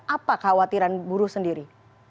apa khawatiran buruh sendiri